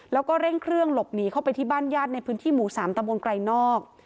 แล้วก็เร่งเครื่องหลบหนีเข้าไปที่บ้านญาติในพื้นที่หมู่๓ตะบนไกรนอก